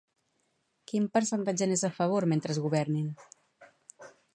Quin percentatge n'és a favor mentre governin?